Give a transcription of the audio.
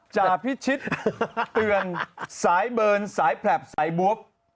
จาพิชิตเตือนสายเบิร์นสายแผลบสายบัว